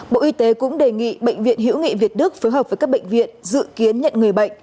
bộ y tế cũng đề nghị bệnh viện hữu nghị việt đức phối hợp với các bệnh viện dự kiến nhận người bệnh